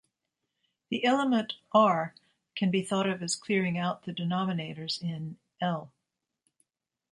The element "r" can be thought of as clearing out the denominators in "I".